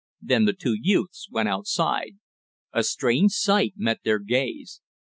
Then the two youths went outside. A strange sight met their gaze.